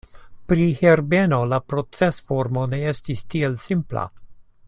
Pri Herbeno, la procesformo ne estis tiel simpla.